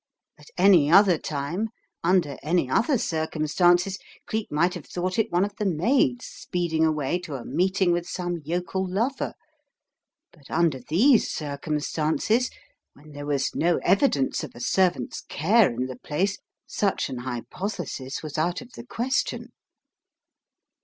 At any other time, under any other circumstances, Cleek might have thought it one of the maids speed ing away to a meeting with some yokel lover, but under these circumstances, when there was no evi dence of a servant's care in the place, such an hy pothesis was out of the question.